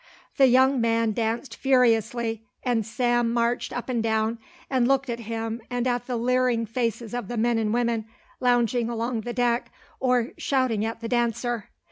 The young man danced furiously, and Sam marched up and down and looked at him and at the leering faces of the men and women lounging along the deck or shouting at the dancer.